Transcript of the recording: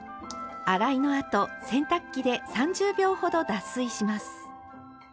洗いのあと洗濯機で３０秒ほど脱水します。